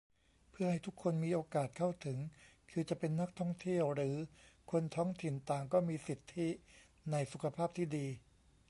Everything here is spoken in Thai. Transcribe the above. เพื่อให้ทุกคนมีโอกาสเข้าถึง คือจะเป็นนักท่องเที่ยวหรือคนท้องถิ่น ต่างก็มีสิทธิในสุขภาพที่ดี